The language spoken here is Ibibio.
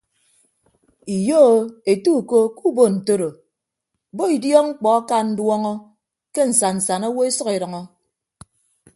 Iyo o ete uko kuubo ntoro bo idiọk mkpọ aka nduọñọ ke nsan nsan awo esʌk edʌñọ.